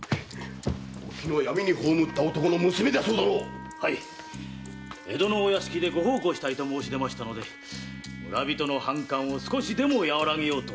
おきぬは闇に葬った男の娘じゃそうだの⁉江戸のお屋敷でご奉公したいと申し出ましたので村人の反感を少しでも和らげようと。